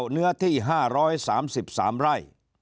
เนื้อที่๕๓๓ไร่